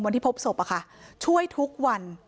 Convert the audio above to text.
วันที่พบศพอ่ะค่ะช่วยทุกวัน